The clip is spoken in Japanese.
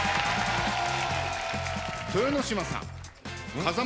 豊ノ島さん。